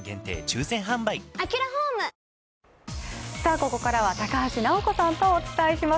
ここからは高橋尚子さんとお伝えします。